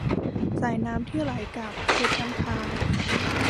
สายน้ำที่ไหลกลับ - เพชรน้ำค้าง